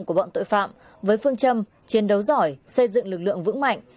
của bọn tội phạm với phương châm chiến đấu giỏi xây dựng lực lượng vững mạnh